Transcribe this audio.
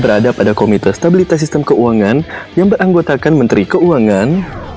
berada pada komite stabilitas sistem keuangan yang beranggotakan menteri keuangan